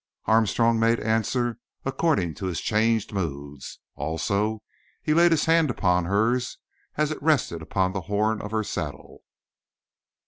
Armstrong made answer according to his changed moods. Also he laid his hand upon hers as it rested upon the horn of her saddle.